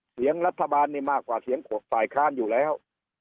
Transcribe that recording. เสียงรัฐบาลนี่มากกว่าเสียงฝ่ายค้านอยู่แล้ว